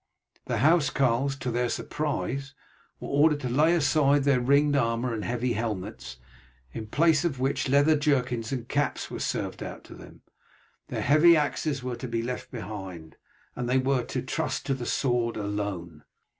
The housecarls, to their surprise, were ordered to lay aside their ringed armour and heavy helmets, in place of which leather jerkins and caps were served out to them; their heavy axes were to be left behind, and they were to trust to the sword alone.